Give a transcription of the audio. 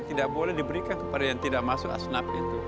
tidak boleh diberikan kepada yang tidak masuk asnap itu